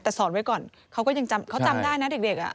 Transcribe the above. แต่สอนไว้ก่อนเขาก็ยังจำเขาจำได้นะเด็ก